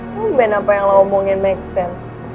tau ben apa yang lo omongin make sense